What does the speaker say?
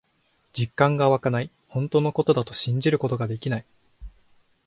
実感がわかない。本当のことだと信じることができない。